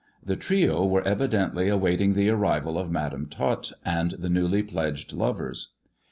The trio were evidently awaiting the arrival of Madam Tot and the newly pledged lovers.